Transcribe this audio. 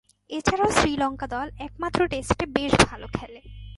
এছাড়াও শ্রীলঙ্কা দল একমাত্র টেস্টে বেশ ভালো খেলে।